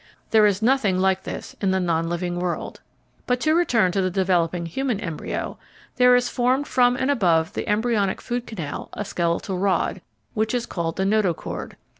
There is nothing like this in the non living world. But to return to the developing human embryo, there is formed from and above the embryonic food canal a skeletal rod, which is called the notochord.